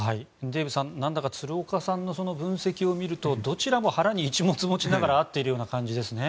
デーブさん鶴岡さんの分析を見るとどちらも腹に一物を持ちながら会っているような感じですね。